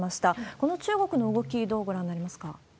この中国の動き、どうご覧になりますか？